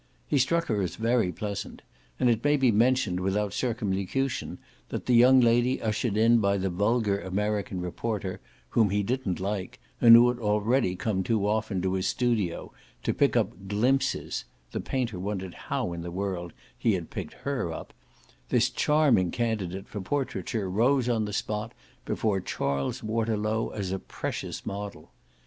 He struck her as very pleasant; and it may be mentioned without circumlocution that the young lady ushered in by the vulgar American reporter, whom he didn't like and who had already come too often to his studio to pick up "glimpses" (the painter wondered how in the world he had picked HER up), this charming candidate for portraiture rose on the spot before Charles Waterlow as a precious model.